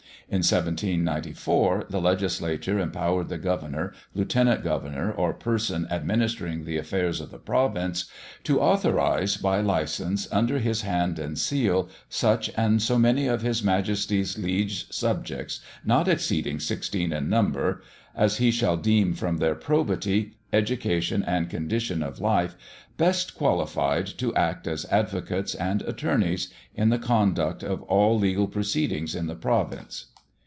In 1794 the Legislature empowered the governor, lieutenant governor, or person administering the affairs of the province, to "authorize by license, under his hand and seal, such and so many of His Majesty's liege subjects, not exceeding sixteen in number, as he shall deem from their probity, education, and condition in life best qualified, to act as advocates and attorneys in the conduct of all legal proceedings in the province."